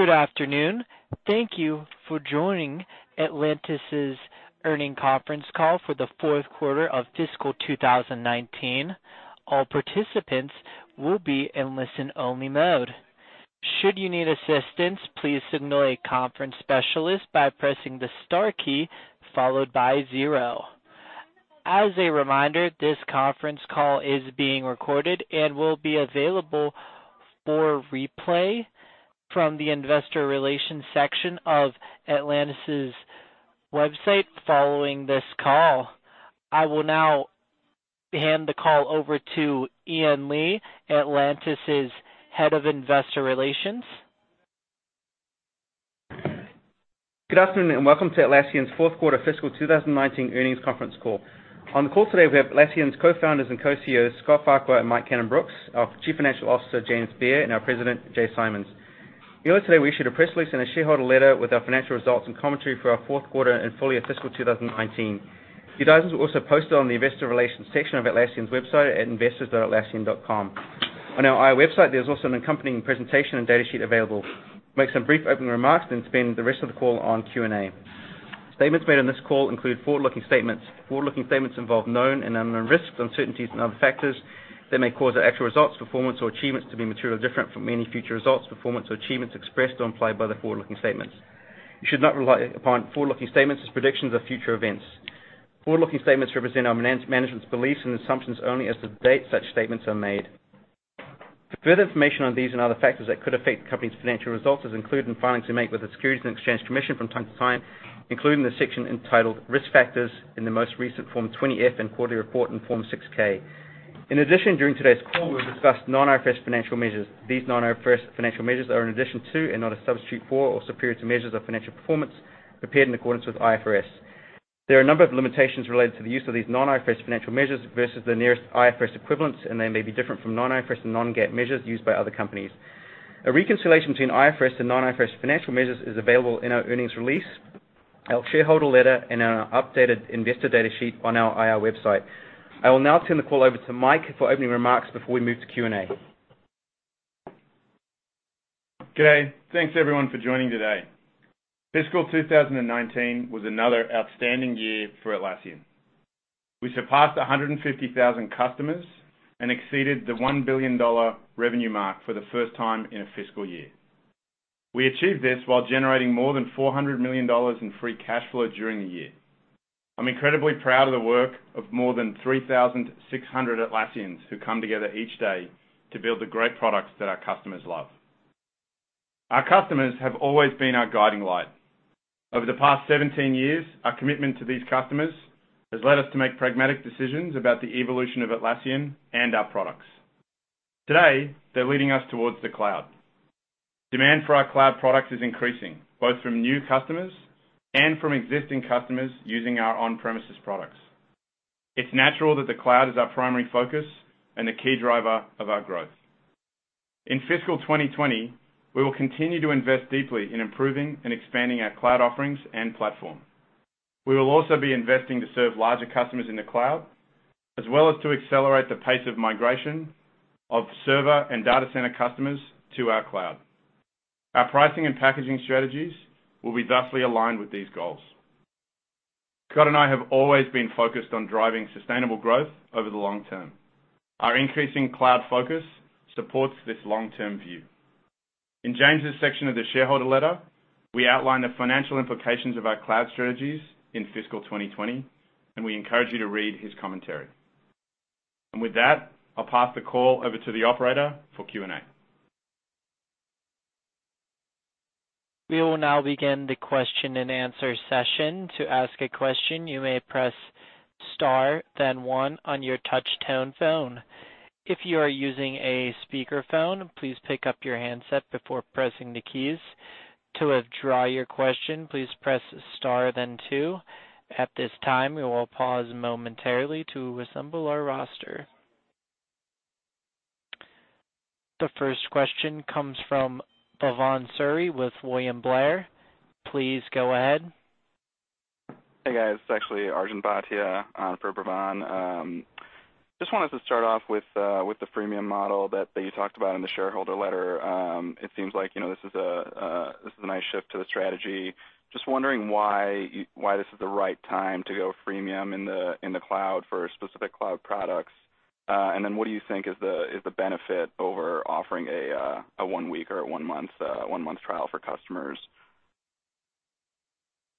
Good afternoon. Thank you for joining Atlassian's earnings conference call for the fourth quarter of fiscal 2019. All participants will be in listen-only mode. Should you need assistance, please signal a conference specialist by pressing the star key followed by zero. As a reminder, this conference call is being recorded and will be available for replay from the Investor Relations section of Atlassian's website following this call. I will now hand the call over to Ian Lee, Atlassian's Head of Investor Relations. Good afternoon, and welcome to Atlassian's fourth quarter fiscal 2019 earnings conference call. On the call today, we have Atlassian's Co-Founders and Co-CEOs, Scott Farquhar and Mike Cannon-Brookes, our Chief Financial Officer, James Beer, and our President, Jay Simons. Earlier today, we issued a press release and a shareholder letter with our financial results and commentary for our fourth quarter and full year fiscal 2019. These items were also posted on the Investor Relations section of Atlassian's website at investors.atlassian.com. On our IR website, there's also an accompanying presentation and data sheet available. We'll make some brief opening remarks, then spend the rest of the call on Q&A. Statements made on this call include forward-looking statements. Forward-looking statements involve known and unknown risks, uncertainties, and other factors that may cause our actual results, performance, or achievements to be materially different from any future results, performance, or achievements expressed or implied by the forward-looking statements. You should not rely upon forward-looking statements as predictions of future events. Forward-looking statements represent our management's beliefs and assumptions only as of the date such statements are made. For further information on these and other factors that could affect the company's financial results as included in filings we make with the Securities and Exchange Commission from time to time, including the section entitled Risk Factors in the most recent Form 20-F and quarterly report in Form 6-K. In addition, during today's call, we'll discuss non-IFRS financial measures. These non-IFRS financial measures are in addition to and not a substitute for or superior to measures of financial performance prepared in accordance with IFRS. There are a number of limitations related to the use of these non-IFRS financial measures versus the nearest IFRS equivalents, and they may be different from non-IFRS and non-GAAP measures used by other companies. A reconciliation between IFRS and non-IFRS financial measures is available in our earnings release, our shareholder letter, and our updated investor data sheet on our IR website. I will now turn the call over to Mike for opening remarks before we move to Q&A. Good day. Thanks everyone for joining today. Fiscal 2019 was another outstanding year for Atlassian. We surpassed 150,000 customers and exceeded the $1 billion revenue mark for the first time in a fiscal year. We achieved this while generating more than $400 million in free cash flow during the year. I'm incredibly proud of the work of more than 3,600 Atlassians who come together each day to build the great products that our customers love. Our customers have always been our guiding light. Over the past 17 years, our commitment to these customers has led us to make pragmatic decisions about the evolution of Atlassian and our products. Today, they're leading us towards the cloud. Demand for our cloud products is increasing, both from new customers and from existing customers using our on-premises products. It's natural that the cloud is our primary focus and the key driver of our growth. In fiscal 2020, we will continue to invest deeply in improving and expanding our cloud offerings and platform. We will also be investing to serve larger customers in the cloud, as well as to accelerate the pace of migration of Server and Data Center customers to our cloud. Our pricing and packaging strategies will be thusly aligned with these goals. Scott and I have always been focused on driving sustainable growth over the long term. Our increasing cloud focus supports this long-term view. In James' section of the shareholder letter, we outline the financial implications of our cloud strategies in fiscal 2020, and we encourage you to read his commentary. With that, I'll pass the call over to the operator for Q&A. We will now begin the question and answer session. To ask a question, you may press star then one on your touch-tone phone. If you are using a speakerphone, please pick up your handset before pressing the keys. To withdraw your question, please press star then two. At this time, we will pause momentarily to assemble our roster. The first question comes from Bhavan Suri with William Blair. Please go ahead. Hey, guys. It's actually Arjun Bhatia for Bhavan. Just wanted to start off with the freemium model that you talked about in the shareholder letter. It seems like this is a nice shift to the strategy. Just wondering why this is the right time to go freemium in the cloud for specific cloud products. What do you think is the benefit over offering a one-week or a one-month trial for customers?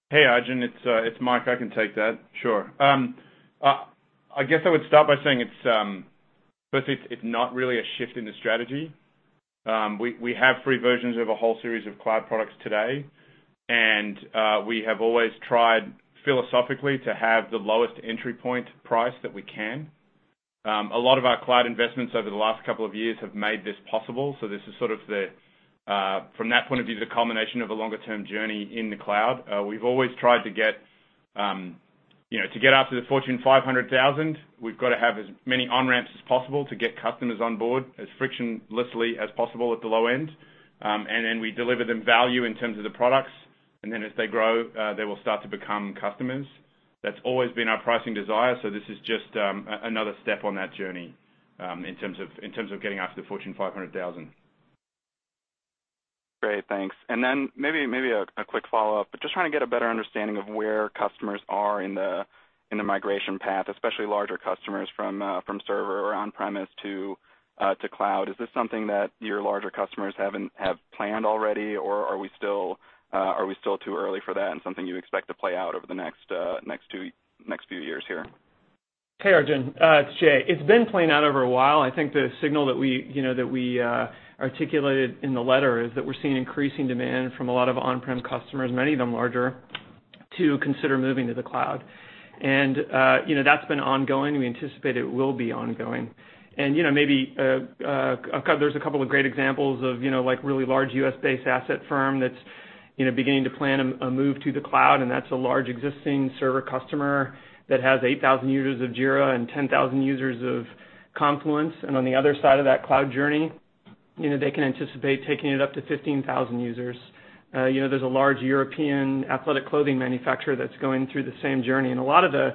Hey, Arjun, it's Mike. I can take that. Sure. I guess I would start by saying first, it's not really a shift in the strategy. We have free versions of a whole series of cloud products today, and we have always tried philosophically to have the lowest entry point price that we can. A lot of our cloud investments over the last couple of years have made this possible. This is, from that point of view, the culmination of a longer-term journey in the cloud. We've always tried to get after the Fortune 500,000. We've got to have as many on-ramps as possible to get customers on board as frictionlessly as possible at the low end. We deliver them value in terms of the products. As they grow, they will start to become customers. That's always been our pricing desire, this is just another step on that journey in terms of getting after the Fortune 500,000. Great, thanks. Then maybe a quick follow-up, just trying to get a better understanding of where customers are in the migration path, especially larger customers from Server or on-premise to Cloud. Is this something that your larger customers have planned already, or are we still too early for that and something you expect to play out over the next few years here? Hey, Arjun. It's Jay. It's been playing out over a while. I think the signal that we articulated in the letter is that we're seeing increasing demand from a lot of on-prem customers, many of them larger, to consider moving to the cloud. That's been ongoing. We anticipate it will be ongoing. There's a couple of great examples of like really large U.S.-based asset firm that's beginning to plan a move to the cloud, and that's a large existing Server customer that has 8,000 users of Jira and 10,000 users of Confluence. On the other side of that cloud journey, they can anticipate taking it up to 15,000 users. There's a large European athletic clothing manufacturer that's going through the same journey. A lot of the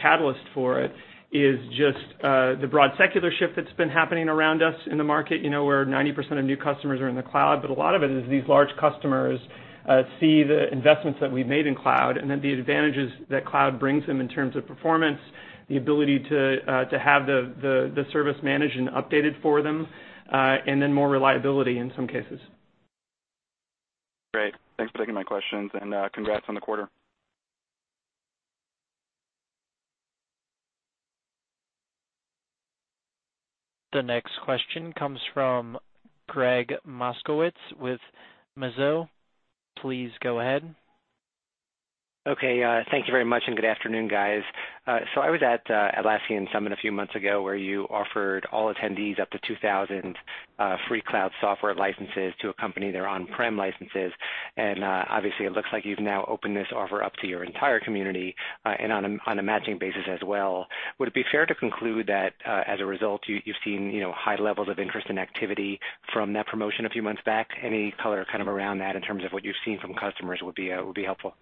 catalyst for it is just the broad secular shift that's been happening around us in the market, where 90% of new customers are in the cloud. A lot of it is these large customers see the investments that we've made in cloud and the advantages that cloud brings them in terms of performance, the ability to have the service managed and updated for them, and then more reliability in some cases. Great. Thanks for taking my questions, and congrats on the quarter. The next question comes from Gregg Moskowitz with Mizuho. Please go ahead. Okay. Thank you very much, and good afternoon, guys. I was at Atlassian Summit a few months ago where you offered all attendees up to 2,000 free cloud software licenses to accompany their on-prem licenses. Obviously, it looks like you've now opened this offer up to your entire community and on a matching basis as well. Would it be fair to conclude that, as a result, you've seen high levels of interest and activity from that promotion a few months back? Any color around that in terms of what you've seen from customers would be helpful.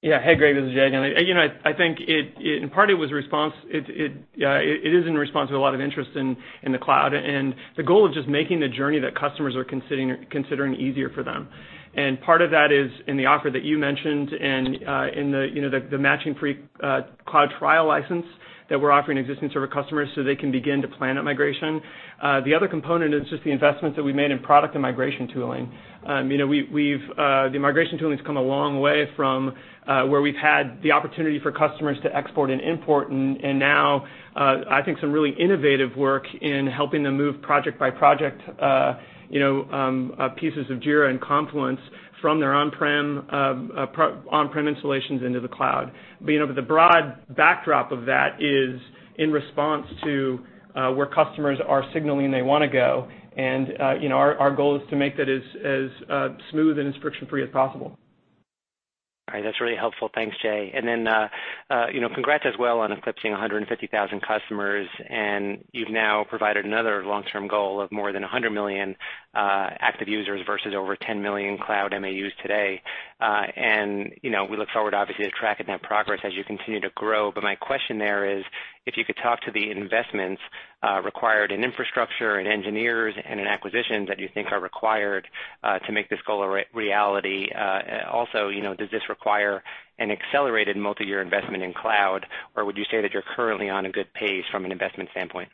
Yeah. Hey, Gregg, this is Jay again. I think in part it is in response to a lot of interest in the cloud and the goal of just making the journey that customers are considering easier for them. Part of that is in the offer that you mentioned in the matching free cloud trial license that we're offering existing Server customers so they can begin to plan a migration. The other component is just the investments that we've made in product and migration tooling. The migration tooling's come a long way from where we've had the opportunity for customers to export and import, and now, I think some really innovative work in helping them move project by project pieces of Jira and Confluence from their on-prem installations into the cloud. The broad backdrop of that is in response to where customers are signaling they want to go, and our goal is to make that as smooth and as friction-free as possible. All right. That's really helpful. Thanks, Jay. Congrats as well on eclipsing 150,000 customers, and you've now provided another long-term goal of more than 100 million active users versus over 10 million cloud MAUs today. We look forward, obviously, to tracking that progress as you continue to grow. My question there is, if you could talk to the investments required in infrastructure and engineers and in acquisitions that you think are required to make this goal a reality. Also, does this require an accelerated multi-year investment in cloud, or would you say that you're currently on a good pace from an investment standpoint?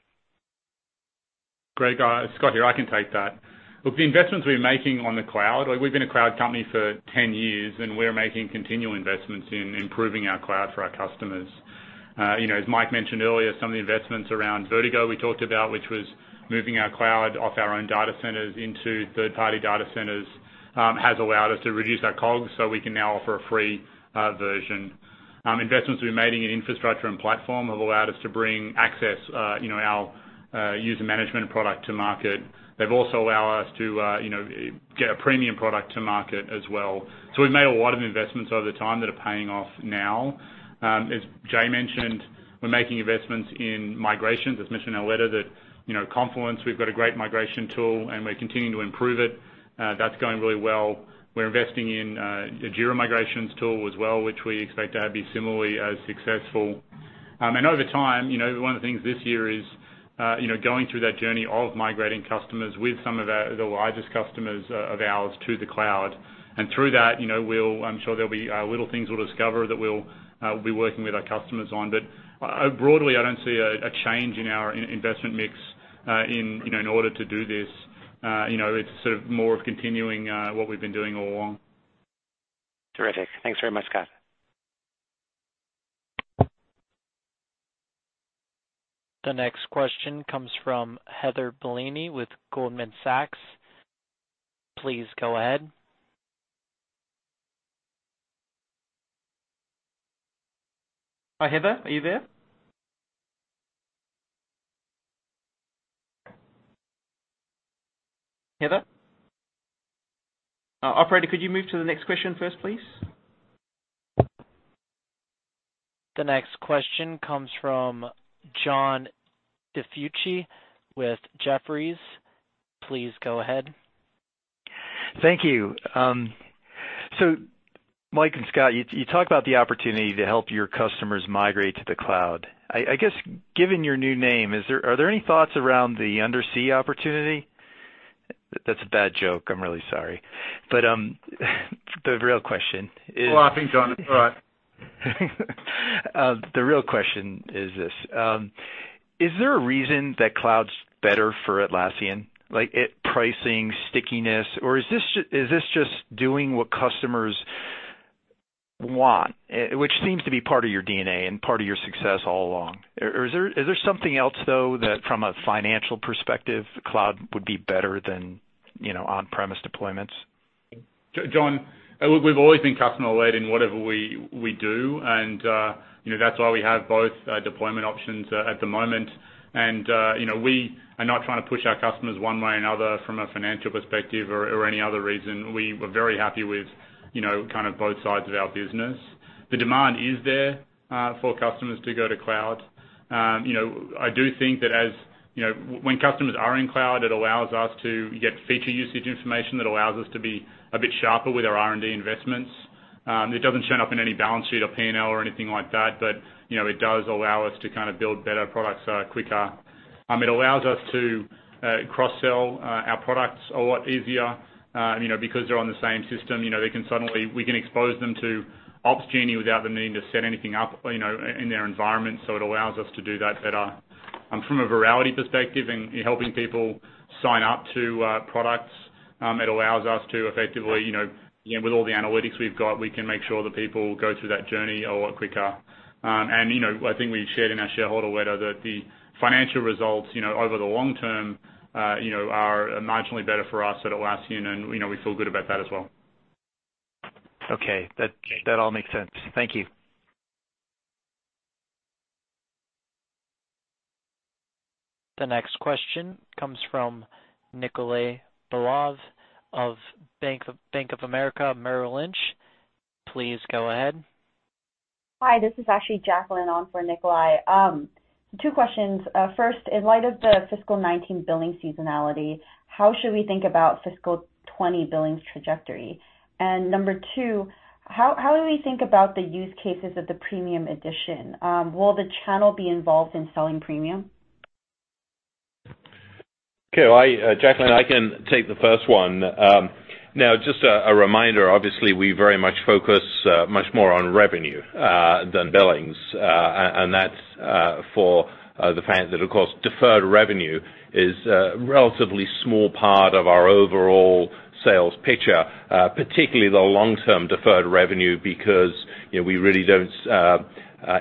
Gregg, Scott here. I can take that. Look, the investments we're making on the cloud, we've been a cloud company for 10 years. We're making continual investments in improving our cloud for our customers. As Mike mentioned earlier, some of the investments around Vertigo we talked about, which was moving our cloud off our own data centers into third-party data centers, has allowed us to reduce our COGS so we can now offer a free version. Investments we've made in infrastructure and platform have allowed us to bring Access, our user management product to market. They've also allowed us to get a premium product to market as well. We've made a lot of investments over the time that are paying off now. As Jay mentioned, we're making investments in migrations. As mentioned in our letter that Confluence, we've got a great migration tool, and we're continuing to improve it. That's going really well. We're investing in the Jira migrations tool as well, which we expect to be similarly as successful. Over time, one of the things this year is going through that journey of migrating customers with some of the largest customers of ours to the cloud. Through that, I'm sure there'll be little things we'll discover that we'll be working with our customers on. Broadly, I don't see a change in our investment mix in order to do this. It's sort of more of continuing what we've been doing all along. Terrific. Thanks very much, Scott. The next question comes from Heather Bellini with Goldman Sachs. Please go ahead. Hi, Heather. Are you there? Heather? Operator, could you move to the next question first, please? The next question comes from John DiFucci with Jefferies. Please go ahead. Thank you. Mike and Scott, you talk about the opportunity to help your customers migrate to the cloud. I guess, given your new name, are there any thoughts around the undersea opportunity? That's a bad joke, I'm really sorry. Laughing, John. It's all right. The real question is this: Is there a reason that cloud's better for Atlassian? Like pricing stickiness, or is this just doing what customers want, which seems to be part of your DNA and part of your success all along? Is there something else, though, that from a financial perspective, cloud would be better than on-premise deployments? John, we've always been customer-led in whatever we do, and that's why we have both deployment options at the moment. We are not trying to push our customers one way or another from a financial perspective or any other reason. We're very happy with both sides of our business. The demand is there for customers to go to cloud. I do think that when customers are in cloud, it allows us to get feature usage information that allows us to be a bit sharper with our R&D investments. It doesn't show up in any balance sheet or P&L or anything like that, but it does allow us to build better products quicker. It allows us to cross-sell our products a lot easier because they're on the same system. We can expose them to Opsgenie without the need to set anything up in their environment. It allows us to do that better. From a virality perspective and helping people sign up to products, it allows us to effectively, with all the analytics we've got, we can make sure that people go through that journey a lot quicker. I think we shared in our shareholder letter that the financial results over the long term are marginally better for us at Atlassian, and we feel good about that as well. Okay. That all makes sense. Thank you. The next question comes from Nikolay Beliov of Bank of America Merrill Lynch. Please go ahead. Hi, this is actually Jacqueline Lu on for Nikolay. Two questions. First, in light of the fiscal 2019 billing seasonality, how should we think about fiscal 2020 billings trajectory? Number two, how do we think about the use cases of the premium edition? Will the channel be involved in selling premium? Okay. Jacqueline, I can take the first one. Just a reminder, obviously, we very much focus much more on revenue than billings. That's for the fact that, of course, deferred revenue is a relatively small part of our overall sales picture, particularly the long-term deferred revenue, because we really don't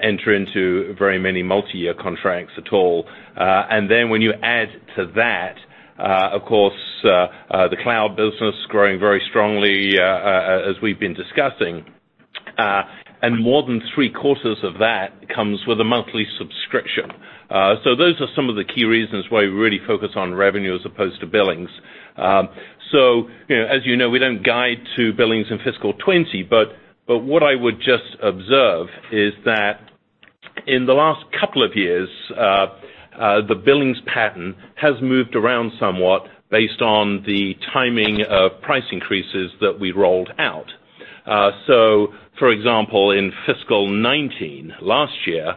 enter into very many multi-year contracts at all. Then when you add to that, of course, the cloud business growing very strongly, as we've been discussing, and more than 3/4 of that comes with a monthly subscription. Those are some of the key reasons why we really focus on revenue as opposed to billings. As you know, we don't guide to billings in fiscal 2020, but what I would just observe is that in the last couple of years, the billings pattern has moved around somewhat based on the timing of price increases that we rolled out. For example, in fiscal 2019, last year,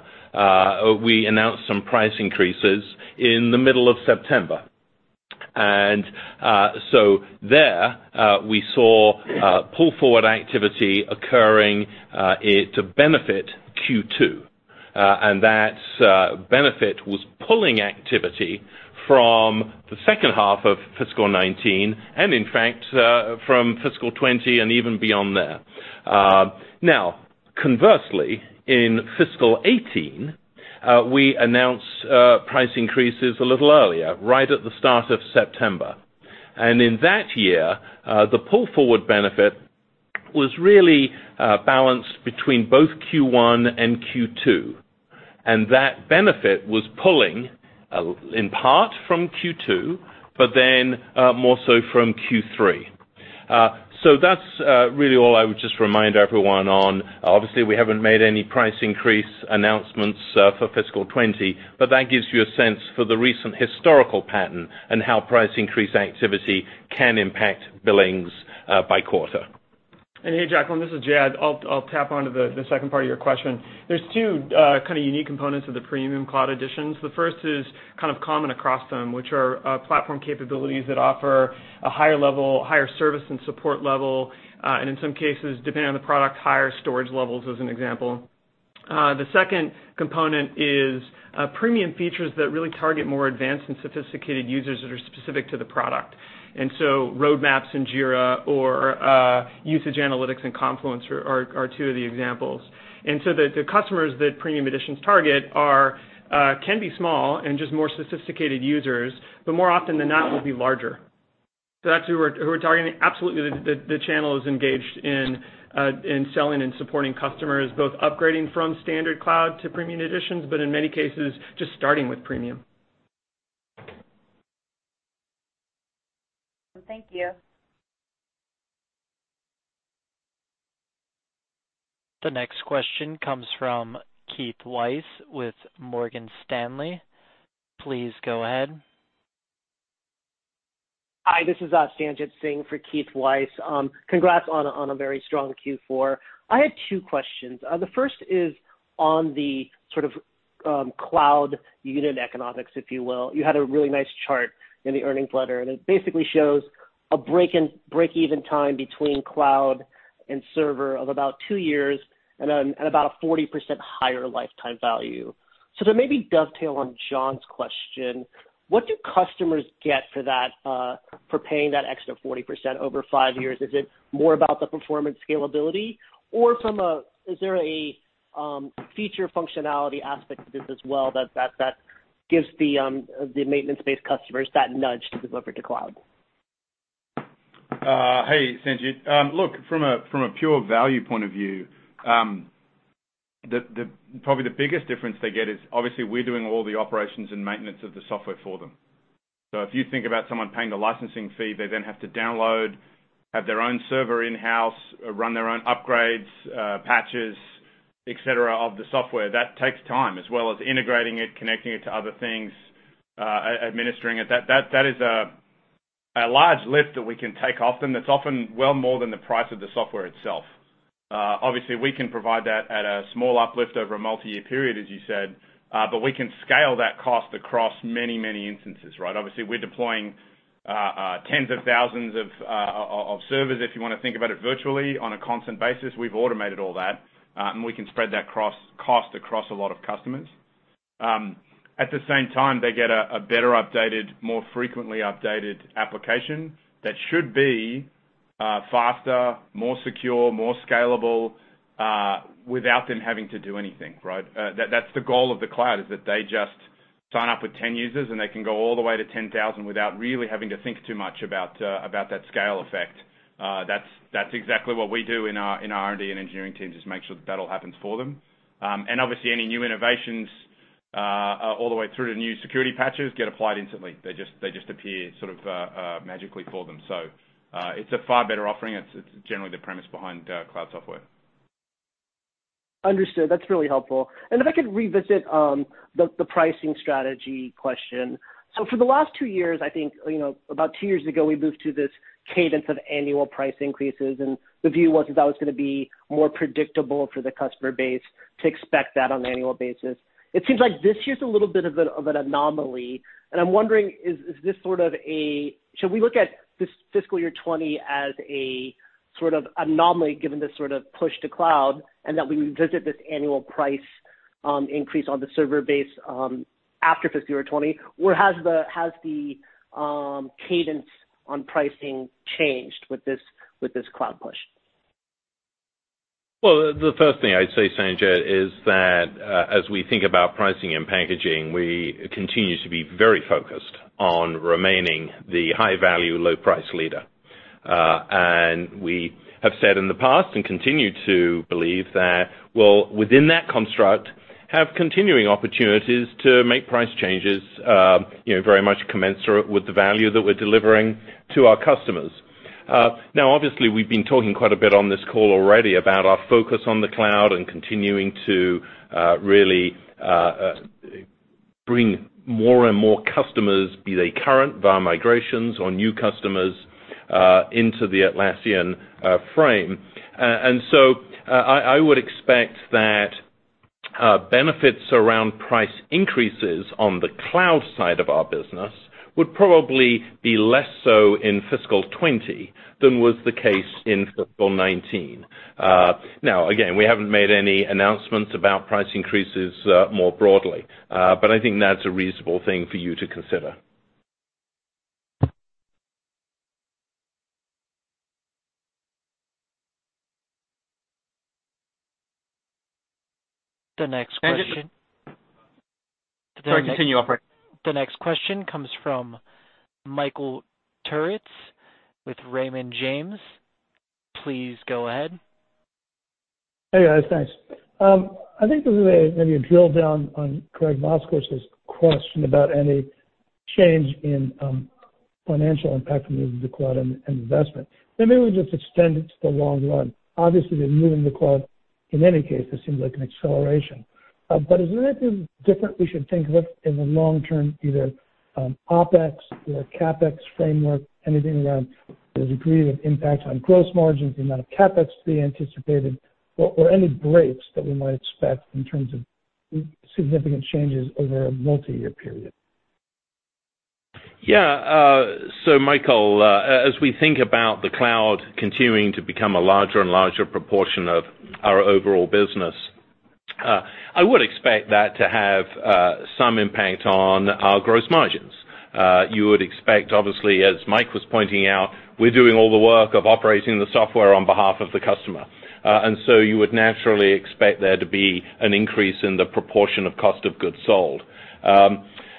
we announced some price increases in the middle of September. There, we saw pull-forward activity occurring to benefit Q2. That benefit was pulling activity from the second half of fiscal 2019, and in fact, from fiscal 2020 and even beyond there. Conversely, in fiscal 2018, we announced price increases a little earlier, right at the start of September. In that year, the pull-forward benefit was really balanced between both Q1 and Q2, and that benefit was pulling in part from Q2, but then more so from Q3. That's really all I would just remind everyone on. Obviously, we haven't made any price increase announcements for fiscal 2020, but that gives you a sense for the recent historical pattern and how price increase activity can impact billings by quarter. Hey, Jacqueline, this is Jay. I'll tap onto the second part of your question. There's two unique components of the premium cloud editions. The first is common across them, which are platform capabilities that offer a higher level, higher service and support level, and in some cases, depending on the product, higher storage levels, as an example. The second component is premium features that really target more advanced and sophisticated users that are specific to the product. Roadmaps in Jira or usage analytics in Confluence are two of the examples. The customers that premium editions target can be small and just more sophisticated users, but more often than not, will be larger. That's who we're targeting. Absolutely, the channel is engaged in selling and supporting customers, both upgrading from standard cloud to premium editions, but in many cases, just starting with premium. Thank you. The next question comes from Keith Weiss with Morgan Stanley. Please go ahead. Hi, this is Sanjit Singh for Keith Weiss. Congrats on a very strong Q4. I had two questions. The first is on the sort of cloud unit economics, if you will. You had a really nice chart in the earnings letter, and it basically shows a break-even time between Cloud and Server of about two years and about a 40% higher lifetime value. To maybe dovetail on John's question, what do customers get for paying that extra 40% over five years? Is it more about the performance scalability, or is there a feature functionality aspect to this as well that gives the maintenance-based customers that nudge to deliver to cloud? Hey, Sanjit. From a pure-value point of view, probably the biggest difference they get is obviously we're doing all the operations and maintenance of the software for them. If you think about someone paying a licensing fee, they then have to download, have their own server in-house, run their own upgrades, patches, et cetera, of the software. That takes time, as well as integrating it, connecting it to other things, administering it. That is a large lift that we can take off them that's often well more than the price of the software itself. We can provide that at a small uplift over a multi-year period, as you said, but we can scale that cost across many, many instances, right? We're deploying tens of thousands of servers, if you want to think about it virtually, on a constant basis. We've automated all that. We can spread that cost across a lot of customers. At the same time, they get a better updated, more frequently updated application that should be faster, more secure, more scalable, without them having to do anything, right? That's the goal of the cloud, is that they just sign up with 10 users, and they can go all the way to 10,000 without really having to think too much about that scale effect. That's exactly what we do in our R&D and engineering teams, is make sure that all happens for them. Obviously any new innovations, all the way through to new security patches, get applied instantly. They just appear sort of magically for them. It's a far better offering. It's generally the premise behind cloud software. Understood. That's really helpful. If I could revisit the pricing strategy question. For the last two years, I think, about two years ago, we moved to this cadence of annual price increases, and the view was that that was going to be more predictable for the customer base to expect that on an annual basis. It seems like this year's a little bit of an anomaly, and I'm wondering, should we look at this fiscal year 2020 as a sort of anomaly given this sort of push to cloud and that we revisit this annual price increase on the Server base after fiscal year 2020? Has the cadence on pricing changed with this cloud push? Well, the first thing I'd say, Sanjit, is that, as we think about pricing and packaging, we continue to be very focused on remaining the high-value, low-price leader. We have said in the past, and continue to believe that, well, within that construct, have continuing opportunities to make price changes very much commensurate with the value that we're delivering to our customers. Now, obviously, we've been talking quite a bit on this call already about our focus on the cloud and continuing to really bring more and more customers, be they current via migrations or new customers, into the Atlassian frame. So I would expect that benefits around price increases on the cloud side of our business would probably be less so in fiscal 2020 than was the case in fiscal 2019. Now, again, we haven't made any announcements about price increases more broadly. I think that's a reasonable thing for you to consider. The next question- Sorry, continue, operator. The next question comes from Michael Turits with Raymond James. Please go ahead. Hey, guys, thanks. I think this is maybe a drill down on Gregg Moskowitz's question about any change in financial impact from moving to the cloud and investment, and maybe we just extend it to the long run. Obviously, the move in the cloud, in any case, it seems like an acceleration. Is there anything different we should think of in the long term, either OpEx or CapEx framework, anything around the degree of impact on gross margins, the amount of CapEx to be anticipated or any breaks that we might expect in terms of significant changes over a multi-year period? Yeah. Michael, as we think about the cloud continuing to become a larger and larger proportion of our overall business, I would expect that to have some impact on our gross margins. You would expect, obviously, as Mike was pointing out, we're doing all the work of operating the software on behalf of the customer. You would naturally expect there to be an increase in the proportion of cost of goods sold.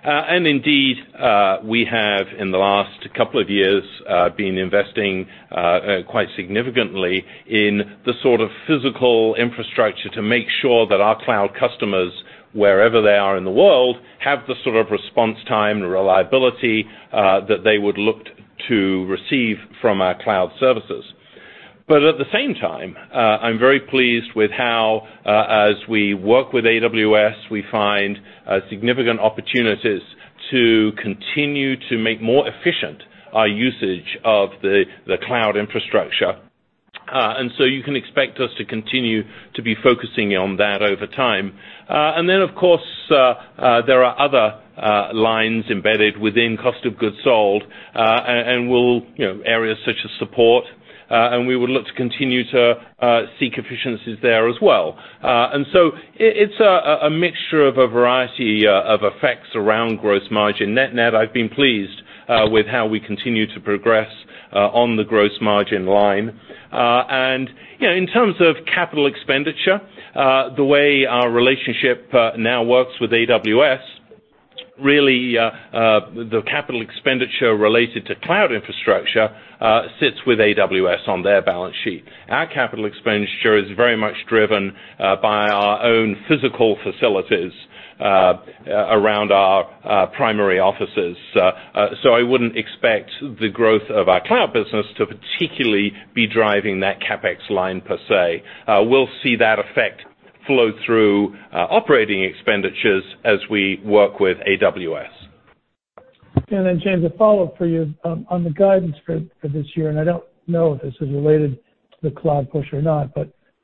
Indeed, we have, in the last couple of years, been investing quite significantly in the sort of physical infrastructure to make sure that our cloud customers, wherever they are in the world, have the sort of response time and reliability that they would look to receive from our cloud services. At the same time, I'm very pleased with how, as we work with AWS, we find significant opportunities to continue to make more efficient our usage of the cloud infrastructure. You can expect us to continue to be focusing on that over time. Then, of course, there are other lines embedded within cost of goods sold, areas such as support, and we would look to continue to seek efficiencies there as well. It's a mixture of a variety of effects around gross margin net. I've been pleased with how we continue to progress on the gross margin line. In terms of capital expenditure, the way our relationship now works with AWS, really, the capital expenditure related to cloud infrastructure sits with AWS on their balance sheet. Our capital expenditure is very much driven by our own physical facilities around our primary offices. I wouldn't expect the growth of our cloud business to particularly be driving that CapEx line per se. We'll see that effect flow through operating expenditures as we work with AWS. James, a follow-up for you on the guidance for this year, I don't know if this is related to the cloud push or not,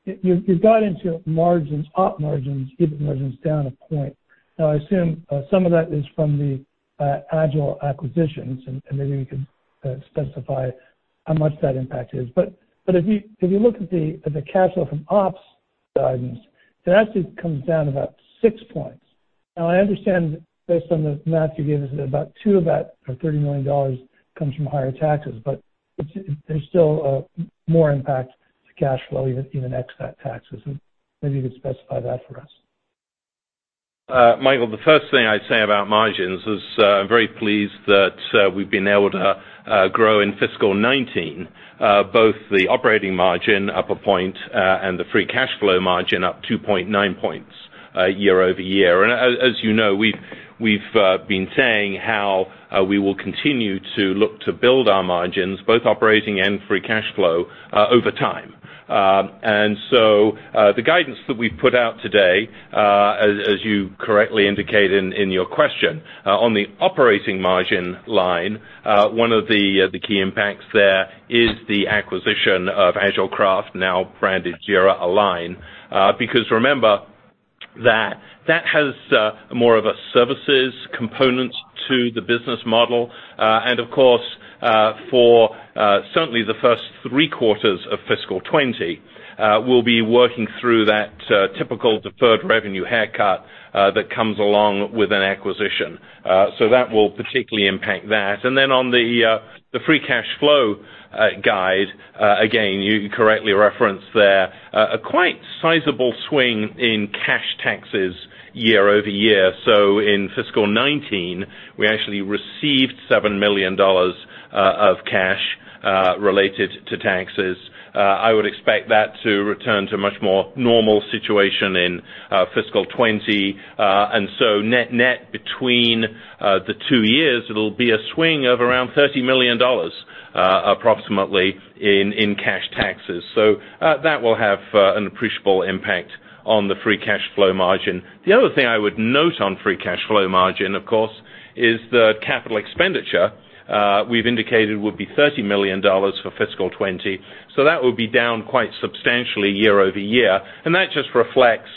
you've got into margins, op margins, EBIT margins down a point. I assume some of that is from the Agile acquisitions, and maybe you can specify how much that impact is. If you look at the cash flow from ops guidance, it actually comes down about 6 points. I understand based on the math you gave us, that about 2 points of that, or $30 million comes from higher taxes, there's still more impact to cash flow even ex that taxes. Maybe you could specify that for us. Michael, the first thing I'd say about margins is, I'm very pleased that we've been able to grow in fiscal 2019, both the operating margin up a point and the free cash flow margin up 2.9 points year-over-year. As you know, we've been saying how we will continue to look to build our margins, both operating and free cash flow, over time. The guidance that we've put out today, as you correctly indicated in your question, on the operating margin line, one of the key impacts there is the acquisition of AgileCraft, now branded Jira Align. Because remember that that has more of a services component to the business model. Of course, for certainly the first three quarters of fiscal 2020, we'll be working through that typical deferred revenue haircut that comes along with an acquisition. That will particularly impact that. On the free cash flow guide, again, you correctly referenced there a quite sizable swing in cash taxes year-over-year. In fiscal 2019, we actually received $7 million of cash related to taxes. I would expect that to return to much more normal situation in fiscal 2020. Net between the two years, it'll be a swing of around $30 million, approximately, in cash taxes. That will have an appreciable impact on the free cash flow margin. The other thing I would note on free cash flow margin, of course, is the capital expenditure we've indicated would be $30 million for fiscal 2020. That would be down quite substantially year-over-year, and that just reflects,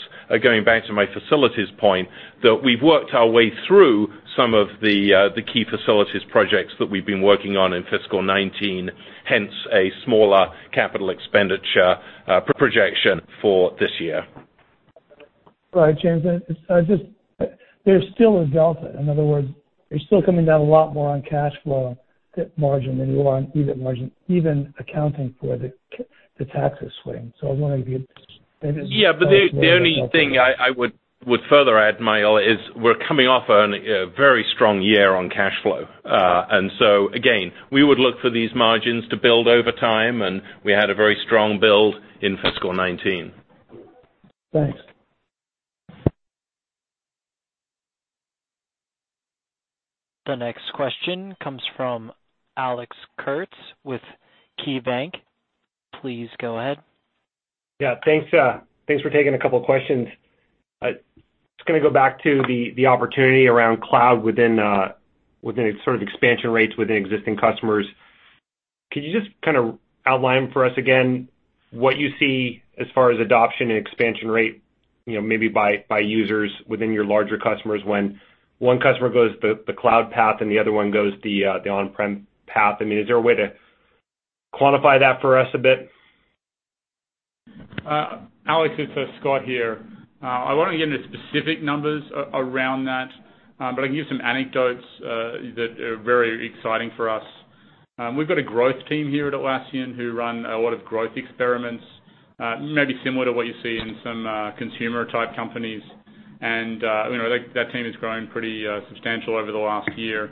going back to my facilities point, that we've worked our way through some of the key facilities projects that we've been working on in fiscal 2019, hence a smaller capital expenditure projection for this year. Right, James. There's still a delta. In other words, you're still coming down a lot more on cash flow margin than you are on EBIT margin, even accounting for the taxes swing. Yeah, the only thing I would further add, Michael, is we're coming off on a very strong year on cash flow. Again, we would look for these margins to build over time, and we had a very strong build in fiscal 2019. Thanks. The next question comes from Alex Kurtz with KeyBanc. Please go ahead. Yeah. Thanks for taking a couple of questions. Just going to go back to the opportunity around cloud within sort of expansion rates within existing customers. Could you just outline for us again what you see as far as adoption and expansion rate maybe by users within your larger customers when one customer goes the cloud path and the other one goes the on-prem path? Is there a way to quantify that for us a bit? Alex, it's Scott here. I won't get into specific numbers around that, but I can give some anecdotes that are very exciting for us. We've got a growth team here at Atlassian who run a lot of growth experiments, maybe similar to what you see in some consumer type companies. That team has grown pretty substantial over the last year.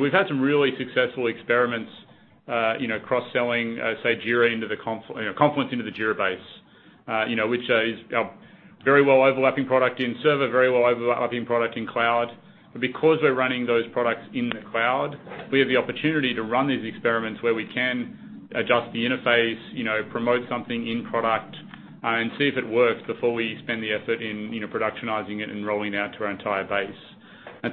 We've had some really successful experiments cross-selling, say Confluence into the Jira base. Which is a very well overlapping product in Server, very well overlapping product in cloud. Because we're running those products in the cloud, we have the opportunity to run these experiments where we can adjust the interface, promote something in-product, and see if it works before we spend the effort in productionizing it and rolling it out to our entire base.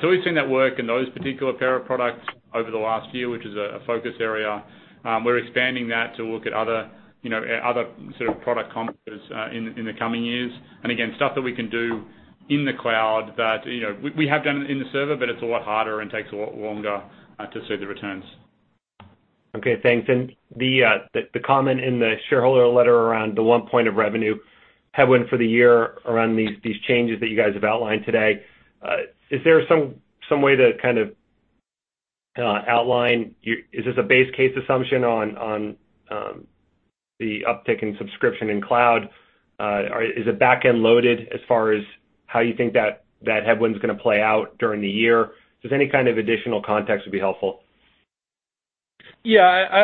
We've seen that work in those particular pair of products over the last year, which is a focus area. We're expanding that to look at other sort of product compares in the coming years. Again, stuff that we can do in the Cloud that we have done in the Server, but it's a lot harder and takes a lot longer to see the returns. Okay, thanks. The comment in the shareholder letter around the 1 point of revenue headwind for the year around these changes that you guys have outlined today, is there some way to kind of outline? Is this a base case assumption on the uptick in subscription in cloud? Is it back-end loaded as far as how you think that headwind's going to play out during the year? Just any kind of additional context would be helpful. Yeah,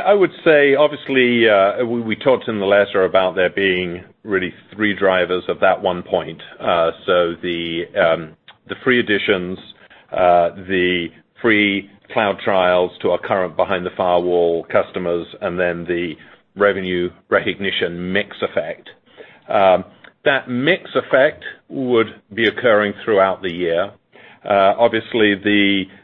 I would say, obviously, we talked in the letter about there being really three drivers of that 1 point. The free additions, the free cloud trials to our current behind-the-firewall customers, and then the revenue-recognition mix effect. That mix effect would be occurring throughout the year. Obviously,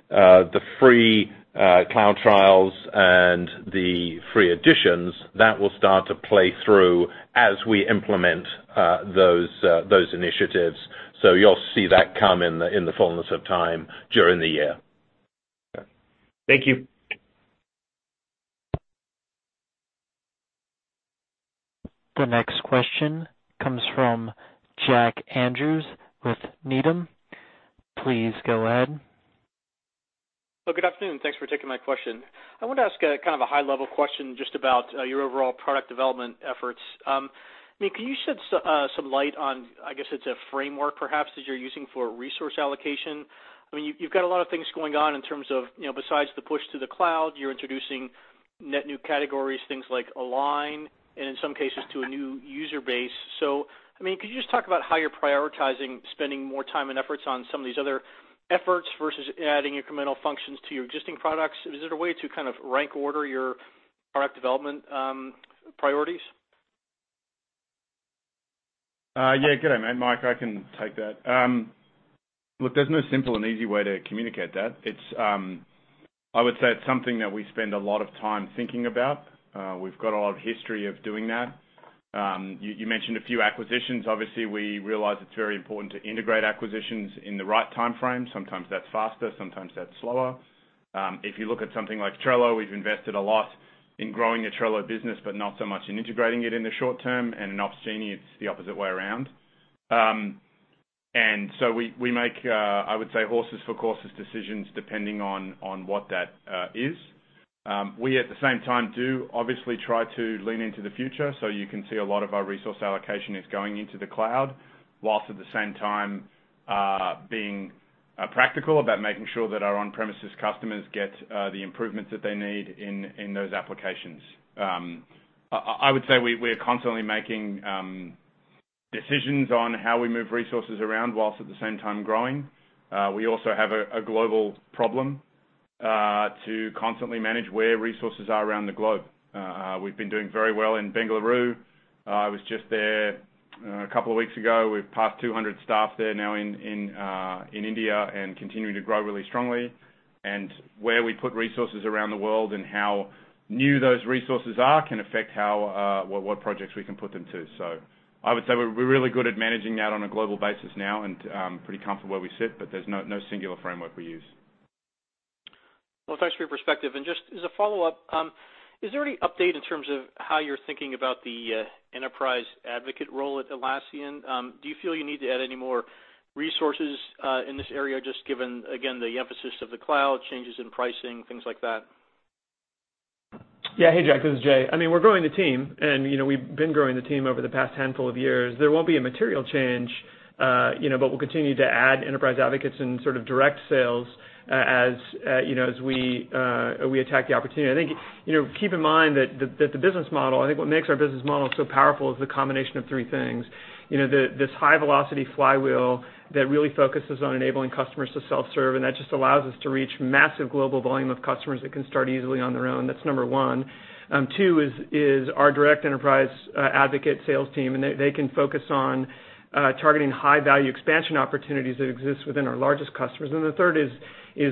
the free cloud trials and the free additions, that will start to play through as we implement those initiatives. You'll see that come in the fullness of time during the year. Okay. Thank you. The next question comes from Jack Andrews with Needham. Please go ahead. Good afternoon. Thanks for taking my question. I wanted to ask a kind of a high-level question just about your overall product development efforts. Can you shed some light on, I guess, it's a framework perhaps that you're using for resource allocation? You've got a lot of things going on in terms of besides the push to the cloud, you're introducing net new categories, things like Align, and in some cases to a new user base. Could you just talk about how you're prioritizing spending more time and efforts on some of these other efforts versus adding incremental functions to your existing products? Is there a way to kind of rank order your product development priorities? Yeah. Good day, mate. Mike, I can take that. Look, there's no simple and easy way to communicate that. I would say it's something that we spend a lot of time thinking about. We've got a lot of history of doing that. You mentioned a few acquisitions. Obviously, we realize it's very important to integrate acquisitions in the right timeframe. Sometimes that's faster, sometimes that's slower. If you look at something like Trello, we've invested a lot in growing the Trello business, but not so much in integrating it in the short term. In Opsgenie, it's the opposite way around. We make, I would say, horses for courses decisions depending on what that is. We, at the same time, do obviously try to lean into the future, so you can see a lot of our resource allocation is going into the cloud, whilst at the same time being practical about making sure that our on-premises customers get the improvements that they need in those applications. I would say we are constantly making decisions on how we move resources around whilst at the same time growing. We also have a global problem to constantly manage where resources are around the globe. We've been doing very well in Bengaluru. I was just there a couple of weeks ago. We've passed 200 staff there now in India and continuing to grow really strongly. Where we put resources around the world and how new those resources are can affect what projects we can put them to. I would say we're really good at managing that on a global basis now and pretty comfortable where we sit, but there's no singular framework we use. Well, thanks for your perspective. Just as a follow-up, is there any update in terms of how you're thinking about the enterprise advocate role at Atlassian? Do you feel you need to add any more resources in this area, just given, again, the emphasis of the cloud, changes in pricing, things like that? Yeah. Hey, Jack, this is Jay. We're growing the team, and we've been growing the team over the past handful of years. There won't be a material change, but we'll continue to add enterprise advocates and sort of direct sales as we attack the opportunity. I think, keep in mind that the business model, I think what makes our business model so powerful is the combination of three things. This high-velocity flywheel that really focuses on enabling customers to self-serve, and that just allows us to reach massive global volume of customers that can start easily on their own. That's number one. Two is our direct enterprise advocate sales team, and they can focus on targeting high-value expansion opportunities that exist within our largest customers. The third is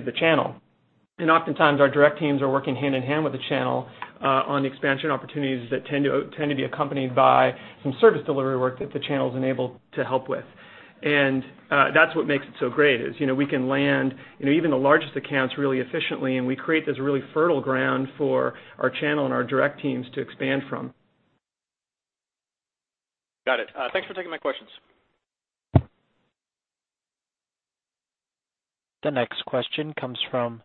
the channel. Oftentimes, our direct teams are working hand-in-hand with the channel on expansion opportunities that tend to be accompanied by some service delivery work that the channel's enabled to help with. That's what makes it so great is we can land even the largest accounts really efficiently, and we create this really fertile ground for our channel and our direct teams to expand from. Got it. Thanks for taking my questions. The next question comes from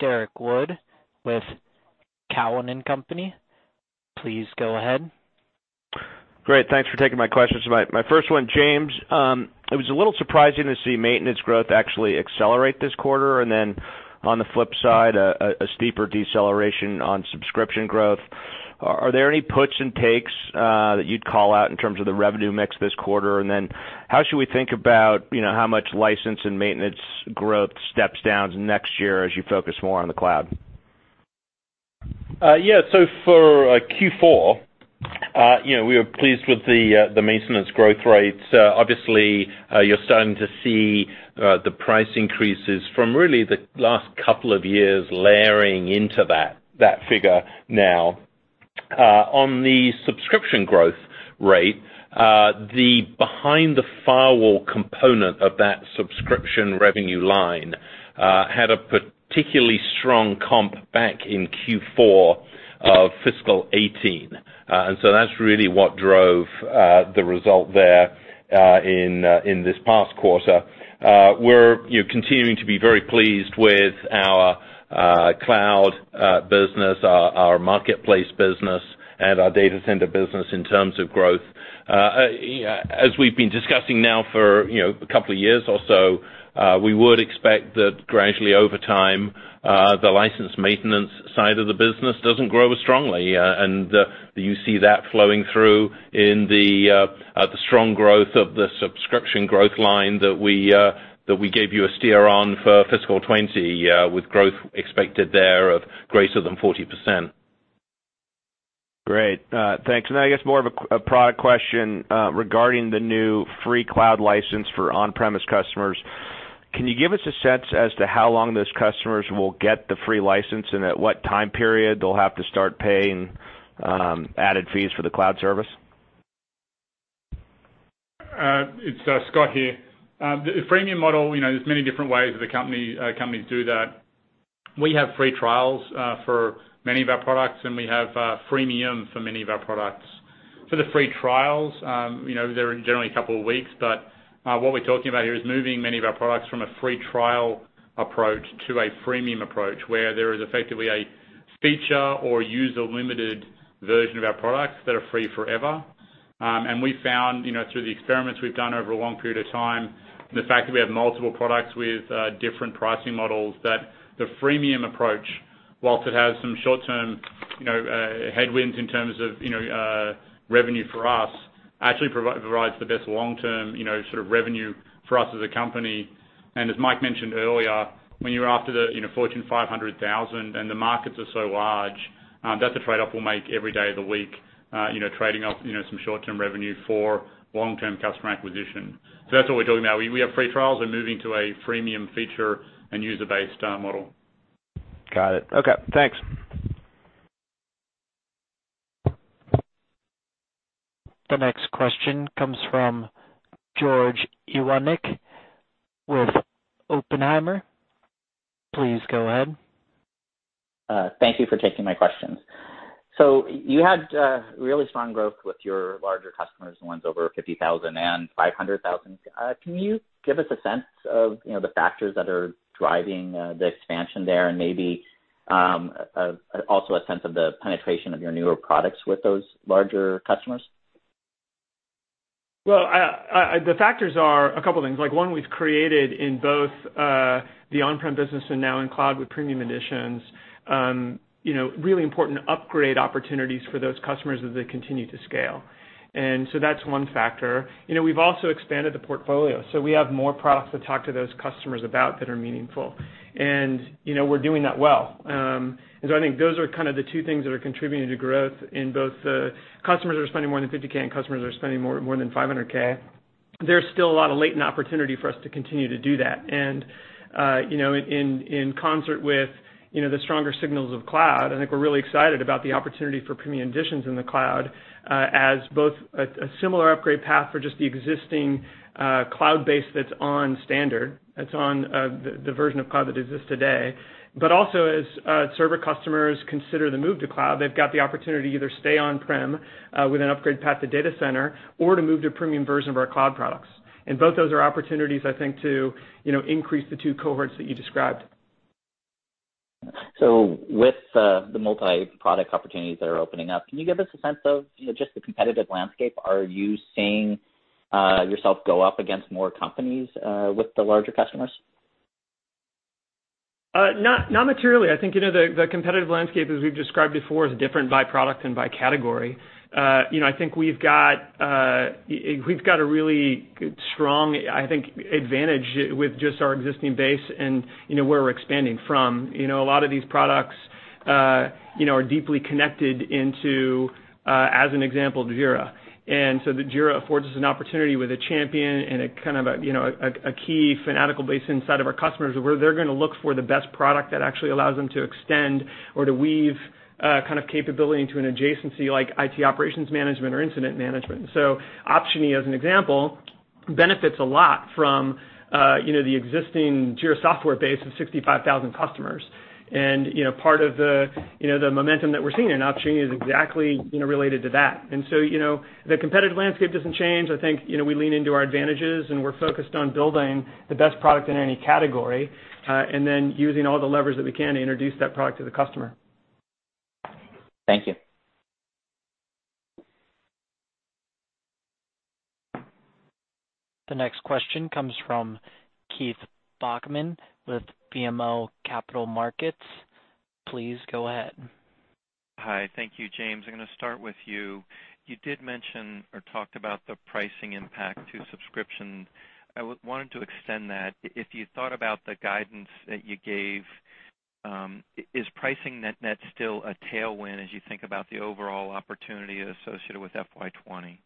Derrick Wood with Cowen and Company. Please go ahead. Great. Thanks for taking my questions. My first one, James, it was a little surprising to see maintenance growth actually accelerate this quarter. On the flip side, a steeper deceleration on subscription growth. Are there any puts and takes that you'd call out in terms of the revenue mix this quarter? How should we think about how much license and maintenance growth steps down to next year as you focus more on the cloud? For Q4, we are pleased with the maintenance growth rates. Obviously, you're starting to see the price increases from really the last couple of years layering into that figure now. On the subscription growth rate, the behind-the-firewall component of that subscription revenue line had a particularly strong comp back in Q4 of fiscal 2018. That's really what drove the result there in this past quarter. We're continuing to be very pleased with our cloud business, our marketplace business, and our data center business in terms of growth. As we've been discussing now for a couple of years or so, we would expect that gradually over time, the license maintenance side of the business doesn't grow as strongly, and you see that flowing through in the strong growth of the subscription growth line that we gave you a steer on for fiscal 2020, with growth expected there of greater than 40%. Great. Thanks. Now I guess more of a product question regarding the new free cloud license for on-premise customers. Can you give us a sense as to how long those customers will get the free license, and at what time period they'll have to start paying added fees for the cloud service? It's Scott here. The freemium model, there's many different ways that the companies do that. We have free trials for many of our products, and we have freemium for many of our products. For the free trials, they're generally a couple of weeks, but what we're talking about here is moving many of our products from a free trial approach to a freemium approach, where there is effectively a feature or user-limited version of our products that are free forever. We've found, through the experiments we've done over a long period of time, and the fact that we have multiple products with different pricing models, that the freemium approach, whilst it has some short-term headwinds in terms of revenue for us, actually provides the best long-term sort of revenue for us as a company. As Mike mentioned earlier, when you're after the Fortune 500,000 and the markets are so large, that's a trade-off we'll make every day of the week, trading off some short-term revenue for long-term customer acquisition. That's what we're talking about. We have free trials. We're moving to a freemium feature and user-based model. Got it. Okay, thanks. The next question comes from George Iwanyc with Oppenheimer. Please go ahead. Thank you for taking my questions. You had really strong growth with your larger customers, the ones over 50,000 and 500,000. Can you give us a sense of the factors that are driving the expansion there, and maybe also a sense of the penetration of your newer products with those larger customers? Well, the factors are a couple things. One we've created in both the on-prem business and now in cloud with premium editions, really important upgrade opportunities for those customers as they continue to scale. That's one factor. We've also expanded the portfolio, so we have more products to talk to those customers about that are meaningful. We're doing that well. I think those are kind of the two things that are contributing to growth in both the customers that are spending more than $50K and customers that are spending more than $500K. There's still a lot of latent opportunity for us to continue to do that. In concert with the stronger signals of cloud, I think we're really excited about the opportunity for premium editions in the cloud as both a similar upgrade path for just the existing cloud base that's on standard, that's on the version of cloud that exists today. Also as Server customers consider the move to cloud, they've got the opportunity to either stay on-prem with an upgrade path to Data Center or to move to a premium version of our cloud products. Both those are opportunities, I think, to increase the two cohorts that you described. With the multi-product opportunities that are opening up, can you give us a sense of just the competitive landscape? Are you seeing yourself go up against more companies with the larger customers? Not materially. I think the competitive landscape, as we've described before, is different by product and by category. I think we've got a really strong advantage with just our existing base and where we're expanding from. A lot of these products are deeply connected into, as an example, Jira. The Jira affords us an opportunity with a champion and a kind of a key fanatical base inside of our customers where they're going to look for the best product that actually allows them to extend or to weave a kind of capability into an adjacency like IT operations management or incident management. Opsgenie, as an example, benefits a lot from the existing Jira Software base of 65,000 customers. Part of the momentum that we're seeing in Opsgenie is exactly related to that. The competitive landscape doesn't change. I think we lean into our advantages, and we're focused on building the best product in any category, and then using all the levers that we can to introduce that product to the customer. Thank you. The next question comes from Keith Bachman with BMO Capital Markets. Please go ahead. Hi. Thank you, James. I'm going to start with you. You did mention or talked about the pricing impact to subscription. I wanted to extend that. If you thought about the guidance that you gave, is pricing net net still a tailwind as you think about the overall opportunity associated with FY 2020?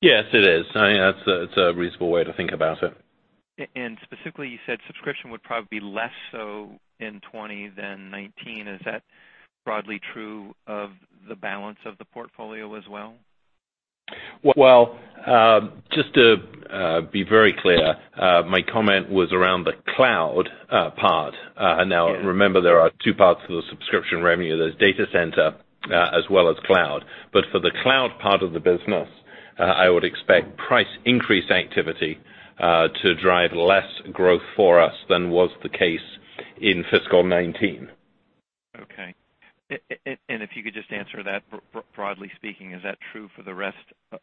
Yes, it is. I think that's a reasonable way to think about it. Specifically, you said subscription would probably be less so in 2020 than 2019. Is that broadly true of the balance of the portfolio as well? Just to be very clear, my comment was around the cloud part. Yeah. Now, remember, there are two parts to the subscription revenue. There's Data Center, as well as Cloud. For the cloud part of the business, I would expect price increase activity to drive less growth for us than was the case in fiscal 2019. Okay. If you could just answer that, broadly speaking, is that true for the rest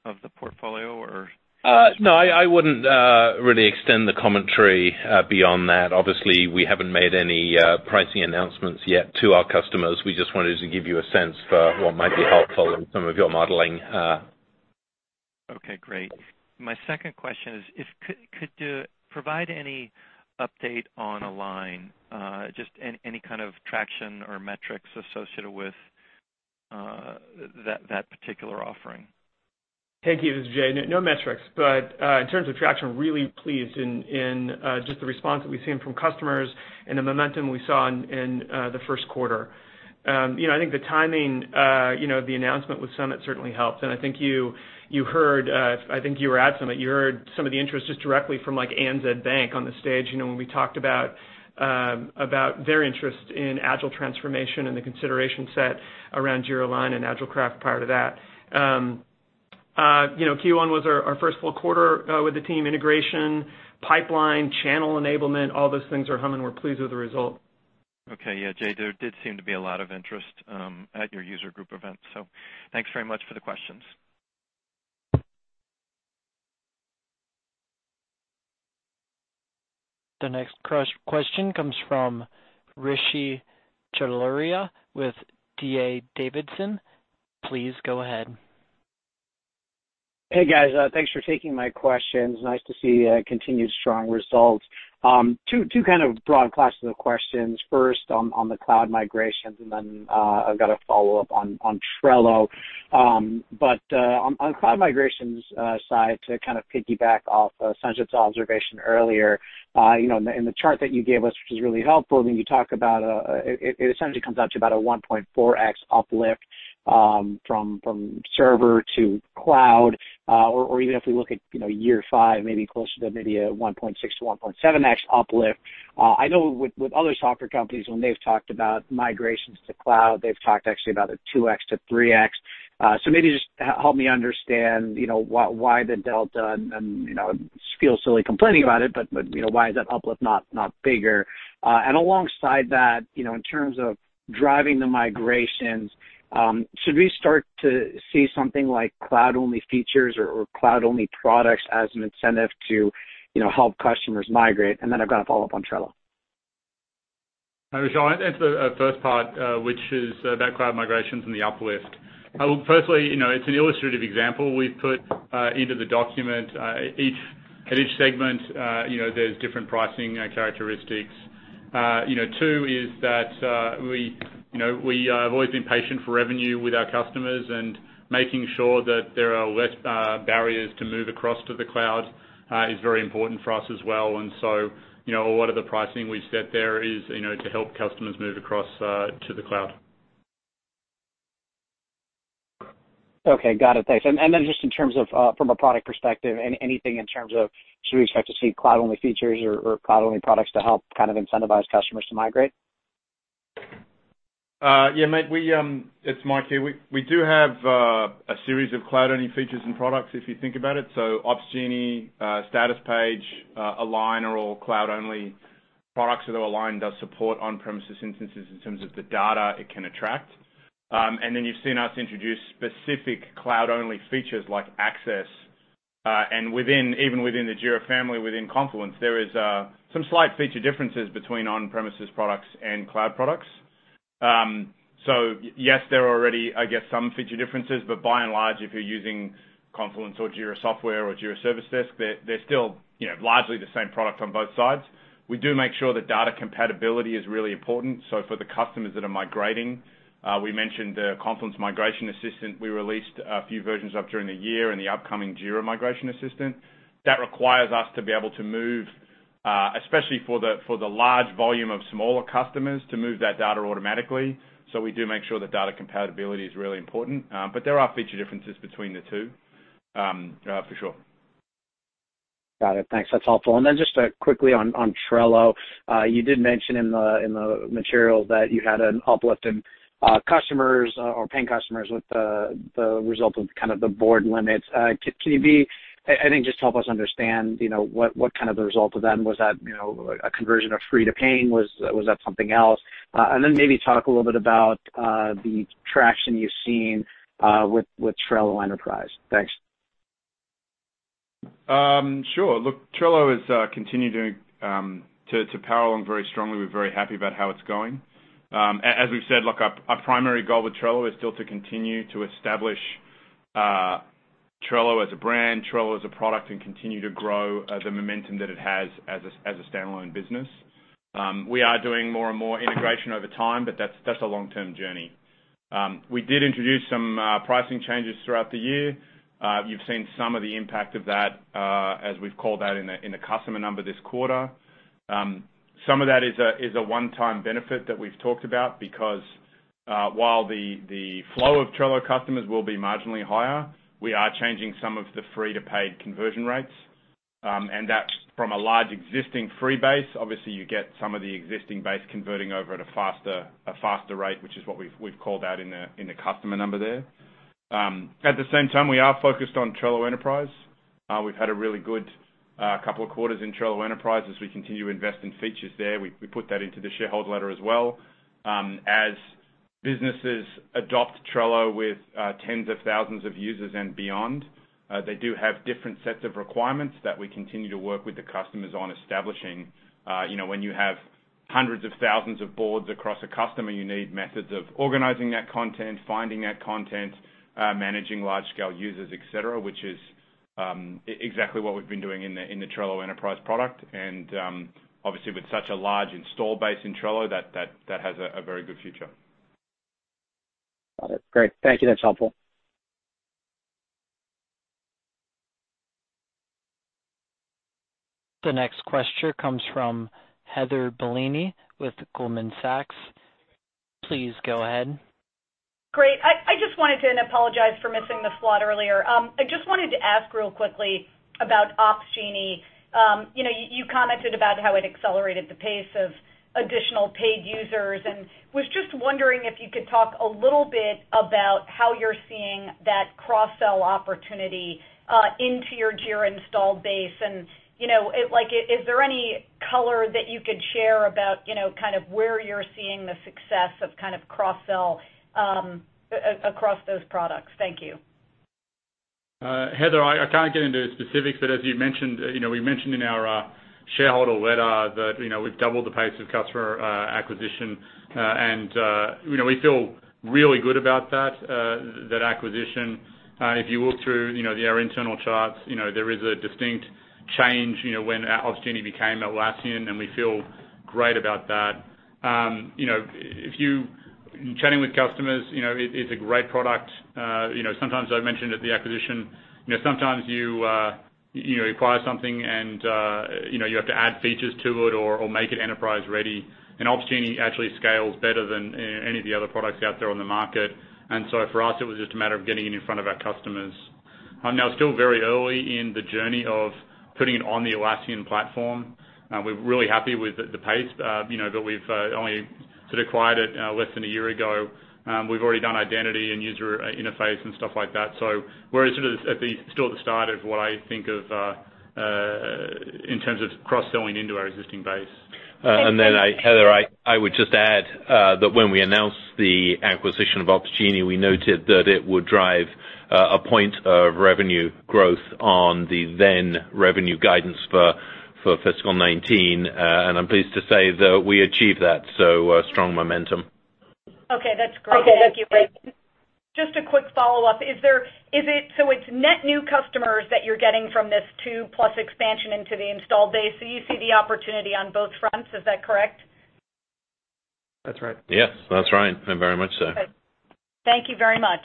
of the portfolio, or No, I wouldn't really extend the commentary beyond that. Obviously, we haven't made any pricing announcements yet to our customers. We just wanted to give you a sense for what might be helpful in some of your modeling. Okay, great. My second question is, could you provide any update on Align? Just any kind of traction or metrics associated with that particular offering? Thank you. This is Jay. No metrics, but in terms of traction, really pleased in just the response that we've seen from customers and the momentum we saw in the first quarter. I think the timing of the announcement with Summit certainly helped, and I think you were at Summit. You heard some of the interest just directly from like ANZ Bank on the stage, when we talked about their interest in Agile transformation and the consideration set around Jira Align and AgileCraft prior to that. Q1 was our first full quarter with the team integration, pipeline, channel enablement, all those things are humming. We're pleased with the result. Okay. Yeah, Jay, there did seem to be a lot of interest at your user group event. Thanks very much for the questions. The next question comes from Rishi Jaluria with D.A. Davidson. Please go ahead. Hey, guys, thanks for taking my questions. Nice to see continued strong results. Two kind of broad classes of questions. First on the cloud migrations, and then I've got a follow-up on Trello. On cloud migrations side, to kind of piggyback off Sanjit's observation earlier, in the chart that you gave us, which was really helpful when you talk about it essentially comes out to about a 1.4x uplift from Server to Cloud. Even if we look at year five, maybe closer to maybe a 1.6x-1.7x uplift. I know with other software companies, when they've talked about migrations to cloud, they've talked actually about a 2x-3x. Maybe just help me understand why the delta and feel silly complaining about it, but why is that uplift not bigger? Alongside that, in terms of driving the migrations, should we start to see something like cloud-only features or cloud-only products as an incentive to help customers migrate? Then I've got a follow-up on Trello. Hi, Rishi. I'll answer the first part, which is about cloud migrations and the uplift. Look, firstly, it's an illustrative example we've put into the document. At each segment, there's different pricing characteristics. Two is that we have always been patient for revenue with our customers and making sure that there are less barriers to move across to the cloud is very important for us as well. A lot of the pricing we've set there is to help customers move across to the cloud. Okay, got it. Thanks. Then just in terms of from a product perspective, anything in terms of should we expect to see cloud-only features or cloud-only products to help kind of incentivize customers to migrate? Yeah, mate, it's Mike here. We do have a series of cloud-only features and products, if you think about it. Opsgenie, Statuspage, Align are all cloud-only products. Although Align does support on-premises instances in terms of the data it can attract. You've seen us introduce specific cloud-only features like Access, and even within the Jira family, within Confluence, there is some slight feature differences between on-premises products and cloud products. Yes, there are already, I guess, some feature differences, but by and large, if you're using Confluence or Jira Software or Jira Service Desk, they're still largely the same product on both sides. We do make sure that data compatibility is really important. For the customers that are migrating, we mentioned the Confluence Cloud Migration Assistant. We released a few versions of during the year and the upcoming Jira Cloud Migration Assistant. That requires us to be able to move, especially for the large volume of smaller customers, to move that data automatically. We do make sure that data compatibility is really important, but there are feature differences between the two, for sure. Got it. Thanks. That's helpful. Then just quickly on Trello, you did mention in the material that you had an uplift in customers or paying customers with the result of kind of the board limits. Can you be, I think, just help us understand what kind of the result of that was that a conversion of free to paying? Was that something else? Then maybe talk a little bit about the traction you've seen with Trello Enterprise. Thanks. Sure. Look, Trello has continued to power along very strongly. We're very happy about how it's going. As we've said, our primary goal with Trello is still to continue to establish Trello as a brand, Trello as a product, and continue to grow the momentum that it has as a standalone business. We are doing more and more integration over time. That's a long-term journey. We did introduce some pricing changes throughout the year. You've seen some of the impact of that, as we've called that in the customer number this quarter. Some of that is a one-time benefit that we've talked about because while the flow of Trello customers will be marginally higher, we are changing some of the free-to-paid conversion rates. That from a large existing free base, obviously, you get some of the existing base converting over at a faster rate, which is what we've called out in the customer number there. At the same time, we are focused on Trello Enterprise. We've had a really good couple of quarters in Trello Enterprise as we continue to invest in features there. We put that into the shareholder letter as well. As businesses adopt Trello with tens of thousands of users and beyond, they do have different sets of requirements that we continue to work with the customers on establishing. When you have hundreds of thousands of boards across a customer, you need methods of organizing that content, finding that content, managing large-scale users, et cetera, which is exactly what we've been doing in the Trello Enterprise product. Obviously, with such a large install base in Trello, that has a very good future. Got it. Great. Thank you. That's helpful. The next question comes from Heather Bellini with Goldman Sachs. Please go ahead. Great. I just wanted to, and apologize for missing the slot earlier. I just wanted to ask real quickly about Opsgenie. You commented about how it accelerated the pace of additional paid users, and was just wondering if you could talk a little bit about how you're seeing that cross-sell opportunity into your Jira install base. Is there any color that you could share about where you're seeing the success of cross-sell across those products? Thank you. Heather, I can't get into specifics, but as you mentioned, we mentioned in our shareholder letter that we've doubled the pace of customer acquisition. We feel really good about that acquisition. If you look through our internal charts, there is a distinct change when Opsgenie became Atlassian, and we feel great about that. Chatting with customers, it's a great product. Sometimes I've mentioned at the acquisition, sometimes you acquire something and you have to add features to it or make it enterprise-ready. Opsgenie actually scales better than any of the other products out there on the market. For us, it was just a matter of getting it in front of our customers. Now, still very early in the journey of putting it on the Atlassian platform. We're really happy with the pace, but we've only sort of acquired it less than a year ago. We've already done identity and user interface and stuff like that. We're sort of still at the start of what I think of in terms of cross-selling into our existing base. Heather, I would just add that when we announced the acquisition of Opsgenie, we noted that it would drive a point of revenue growth on the then revenue guidance for fiscal 2019. I'm pleased to say that we achieved that, so strong momentum. Okay. That's great. Thank you. Just a quick follow-up. It's net new customers that you're getting from this too, plus expansion into the installed base. You see the opportunity on both fronts, is that correct? That's right. Yes, that's right. Very much so. Thank you very much.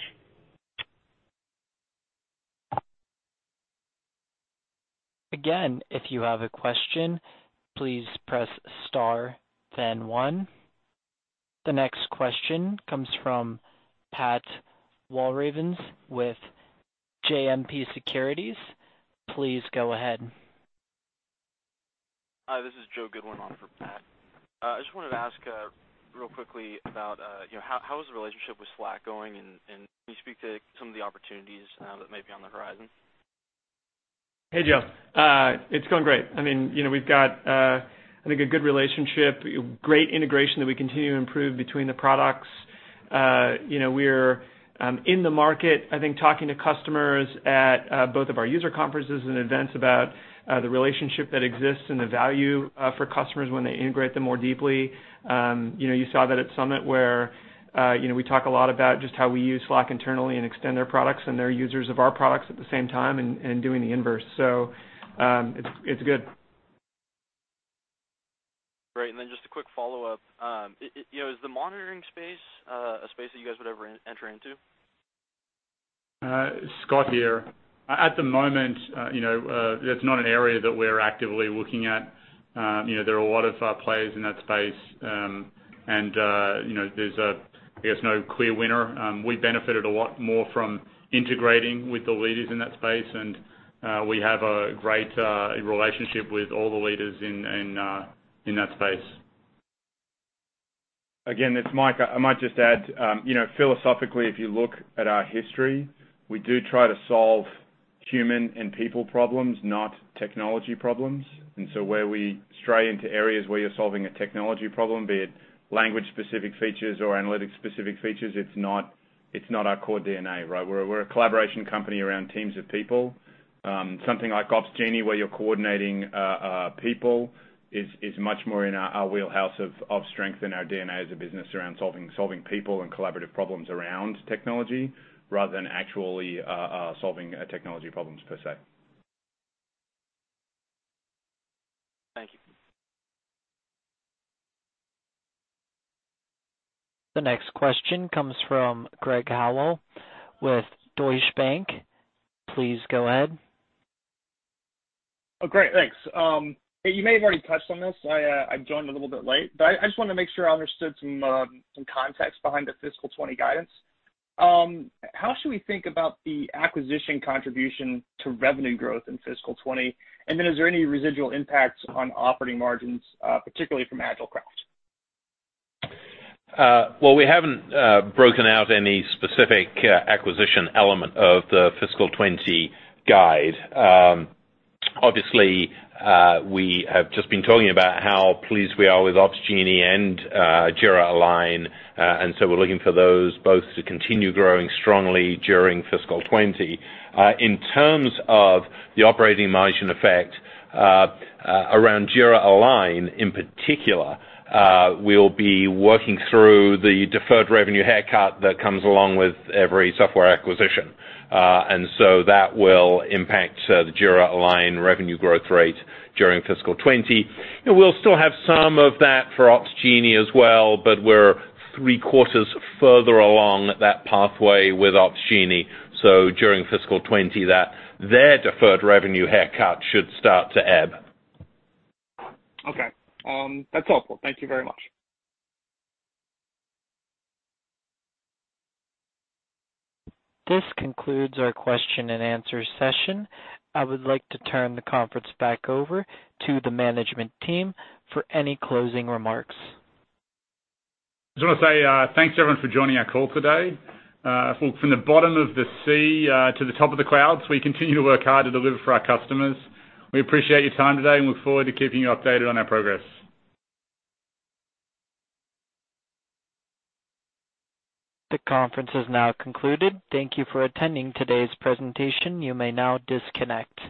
Again, if you have a question, please press star then one. The next question comes from Pat Walravens with JMP Securities. Please go ahead. Hi, this is Joe Goodwin on for Pat. I just wanted to ask real quickly about how is the relationship with Slack going, and can you speak to some of the opportunities that may be on the horizon? Hey, Joe. It's going great. We've got I think a good relationship, great integration that we continue to improve between the products. We're in the market, I think, talking to customers at both of our user conferences and events about the relationship that exists and the value for customers when they integrate them more deeply. You saw that at Summit where we talk a lot about just how we use Slack internally and extend their products and they're users of our products at the same time and doing the inverse. It's good. Great. Just a quick follow-up. Is the monitoring space a space that you guys would ever enter into? Scott here. At the moment, it's not an area that we're actively looking at. There are a lot of players in that space, and there's I guess no clear winner. We benefited a lot more from integrating with the leaders in that space, and we have a great relationship with all the leaders in that space. Again, it's Mike. I might just add, philosophically, if you look at our history, we do try to solve human and people problems, not technology problems. Where we stray into areas where you're solving a technology problem, be it language-specific features or analytic-specific features, it's not It's not our core DNA, right? We're a collaboration company around teams of people. Something like Opsgenie, where you're coordinating people is much more in our wheelhouse of strength in our DNA as a business around solving people and collaborative problems around technology, rather than actually solving technology problems per se. Thank you. The next question comes from Greg Howell with Deutsche Bank. Please go ahead. Oh, great. Thanks. Hey, you may have already touched on this. I joined a little bit late. I just want to make sure I understood some context behind the fiscal 2020 guidance. How should we think about the acquisition contribution to revenue growth in fiscal 2020? Is there any residual impacts on operating margins, particularly from AgileCraft? Well, we haven't broken out any specific acquisition element of the fiscal 2020 guide. Obviously, we have just been talking about how pleased we are with Opsgenie and Jira Align. We're looking for those both to continue growing strongly during fiscal 2020. In terms of the operating margin effect, around Jira Align, in particular, we'll be working through the deferred revenue haircut that comes along with every software acquisition. That will impact the Jira Align revenue growth rate during fiscal 2020. We'll still have some of that for Opsgenie as well, but we're three quarters further along that pathway with Opsgenie. During fiscal 2020, their deferred revenue haircut should start to ebb. Okay. That's helpful. Thank you very much. This concludes our question and answer session. I would like to turn the conference back over to the management team for any closing remarks. Just want to say, thanks everyone for joining our call today. From the bottom of the sea, to the top of the clouds, we continue to work hard to deliver for our customers. We appreciate your time today and look forward to keeping you updated on our progress. The conference is now concluded. Thank you for attending today's presentation. You may now disconnect.